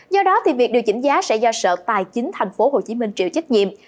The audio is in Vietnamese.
do đó thì việc điều chỉnh giá sẽ do sở tài chính thành phố hồ chí minh triệu trách nhiệm